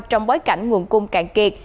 trong bối cảnh nguồn cung cạn kiệt